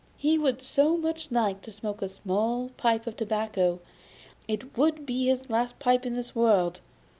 He would so much like to smoke a small pipe of tobacco; it would be his last pipe in this world.